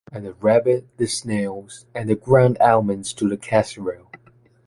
Add the rabbit, the snails and the ground almonds to the casserole.